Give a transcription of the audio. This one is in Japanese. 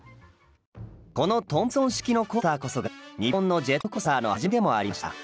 このトンプソン式のコースターこそが日本のジェットコースターの始まりでもありました。